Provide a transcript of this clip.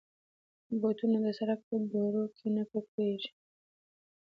بوټونه د سړک په دوړو کې نه ککړېږي.